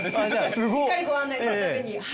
しっかりご案内するために。